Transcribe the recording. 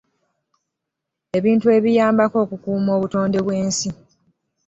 Ebintu ebiyambako okukuuma obutonde bw'ensi.